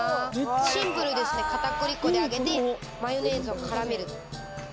シンプルですね、片栗粉で揚げて、マヨネーズをからめる。